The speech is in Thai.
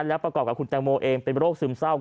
และประกอบกับคุณแตงโมเองเป็นโรคซึมเศร้า